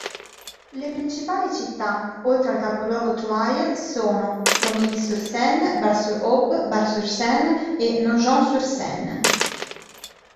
Le principali città, oltre al capoluogo Troyes, sono Romilly-sur-Seine, Bar-sur-Aube, Bar-sur-Seine e Nogent-sur-Seine.